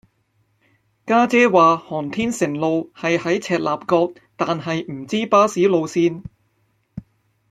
家姐話航天城路係喺赤鱲角但係唔知巴士路線